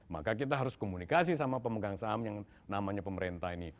maka kita harus komunikasi sama pemegang saham yang namanya pemerintah ini